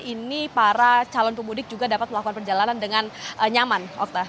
ini para calon pemudik juga dapat melakukan perjalanan dengan nyaman